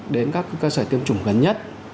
đến các cơ sở tiêm chủng gần nhất